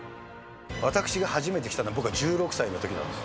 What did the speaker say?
私が初めて来たのは、僕が１６歳のときなんです。